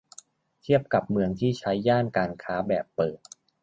เทียบกับเมืองที่ใช้ย่านการค้าแบบเปิด